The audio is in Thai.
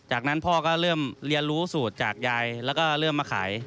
จากนั้นพ่อก็เริ่มเรียนรู้สูตรจากยายแล้วก็เริ่มมาขาย